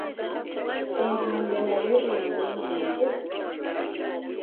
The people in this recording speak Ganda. Entumbwe nayo erina ennyindo?